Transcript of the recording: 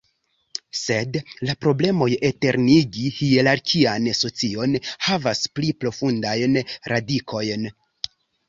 Sed la problemoj eternigi hierarkian socion havas pli profundajn radikojn.